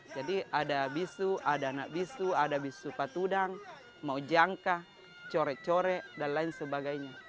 jadi ada bisu ada anak bisu ada bisu patudang mau jangka corek corek dan lain sebagainya